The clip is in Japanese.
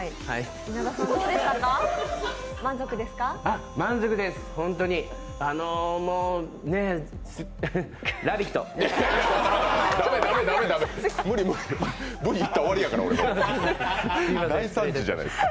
満足ですか？